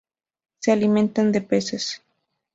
Se alimenta de peces.